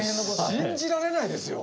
信じられないですよ。